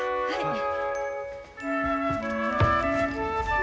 はい。